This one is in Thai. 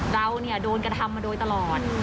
เราโดนกระทำมาโดยตลอด